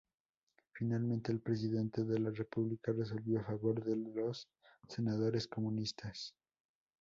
Finalmente, el Presidente de la República resolvió a favor de los senadores comunistas.